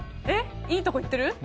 えっいいとこいってる？